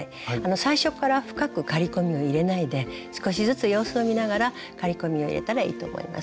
最初から深く刈り込みを入れないで少しずつ様子を見ながら刈り込みを入れたらいいと思います。